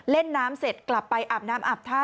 เล่นน้ำเสร็จกลับไปอาบน้ำอาบท่า